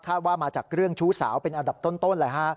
ว่ามาจากเรื่องชู้สาวเป็นอันดับต้นเลยฮะ